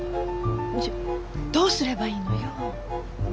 じゃあどうすればいいのよ。